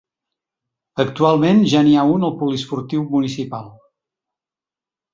Actualment ja n’hi ha un al poliesportiu municipal.